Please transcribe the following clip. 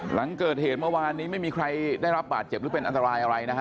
หลังเกิดเหตุเมื่อวานนี้ไม่มีใครได้รับบาดเจ็บหรือเป็นอันตรายอะไรนะฮะ